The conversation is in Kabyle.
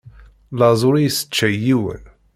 Laẓ ur yesseččay yiwen.